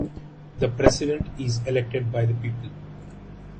The president is elected by the people.